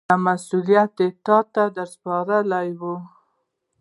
دا مسوولیت تاته در سپارو.